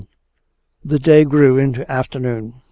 The day grew into afternoon.